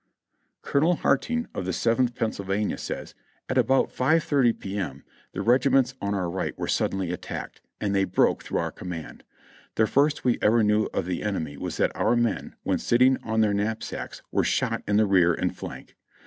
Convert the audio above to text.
Colonel Harting, of the Seventh Pennsylvania, says : "At about 5.30 P. M. the regiments on our right were suddenly attacked — and they broke through our command. The first we ever knew of the enemy was that our men, when sitting on their knapsacks, were shot in the rear and flank.